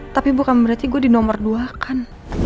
tapi bukan berarti gue di nomor dua kan